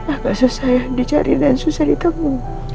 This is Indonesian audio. agak susah ya dicari dan susah ditegun